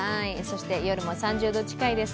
夜も３０度近いです。